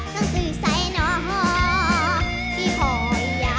นังสือใส่หน่อพี่พ่อยัง